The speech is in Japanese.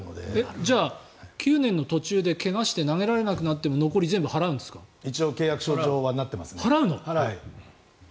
じゃあ９年の途中で怪我して投げられなくなっても契約上はなっていますね。